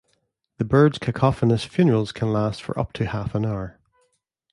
The birds' cacophonous "funerals" can last for up to half an hour.